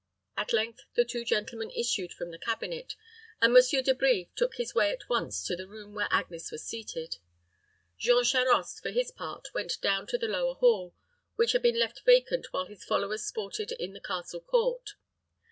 At length the two gentlemen issued from the cabinet, and Monsieur De Brives took his way at once to the room where Agnes was seated. Jean Charost, for his part, went down to the lower hall, which had been left vacant while his followers sported in the castle court.